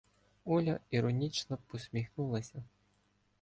Оля іронічно посміхнулася: